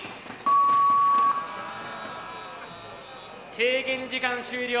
制限時間終了。